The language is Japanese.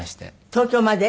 東京まで？